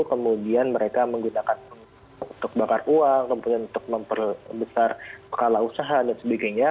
kemudian mereka menggunakan untuk bakar uang kemudian untuk memperbesar kepala usaha dan sebagainya